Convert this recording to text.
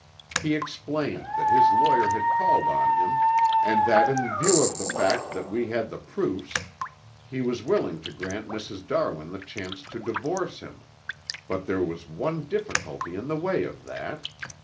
He explained that his lawyer had called on him and that in view of the fact that we had the proofs he was willing to grant Mrs. Darwin the chance to divorce him, but there was one difficulty in the way of that.